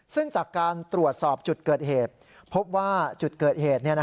ซึ่งจากการตรวจสอบจุดเกิดเหตุพบว่าจุดเกิดเหตุ